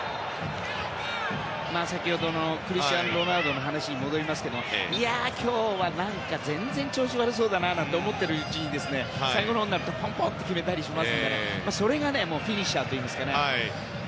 クリスティアーノ・ロナウドの話に戻りますけど今日は何か全然調子悪そうだなと思っているうちに最後のほうになるとポンポンと決めたりするのでそれがフィニッシャーというか。